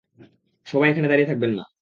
সবাই এখানে দাঁড়িয়ে থাকবেন না!